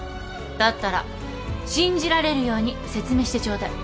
だったら信じられるように説明してちょうだい。